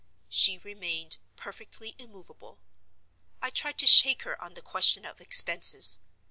She remained perfectly immovable. I tried to shake her on the question of expenses.